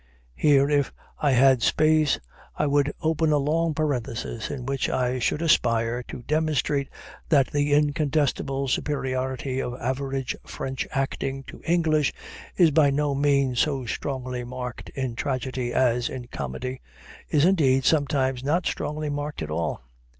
(Here, if I had space, I would open a long parenthesis, in which I should aspire to demonstrate that the incontestable superiority of average French acting to English is by no means so strongly marked in tragedy as in comedy is indeed sometimes not strongly marked at all.